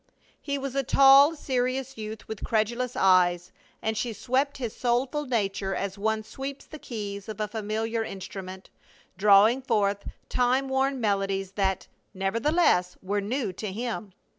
He was a tall, serious youth with credulous eyes, and she swept his soulful nature as one sweeps the keys of a familiar instrument, drawing forth time worn melodies that, nevertheless, were new to him.